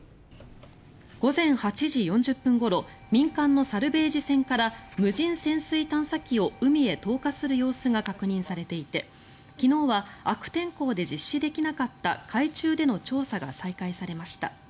午前８時４０分ごろ民間のサルベージ船から無人潜水探査機を海へ投下する様子が確認されていて昨日は悪天候で実施できなかった海中での調査が再開されました。